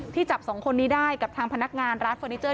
จับสองคนนี้ได้กับทางพนักงานร้านเฟอร์นิเจอร์